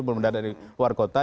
belum ada dari luar kota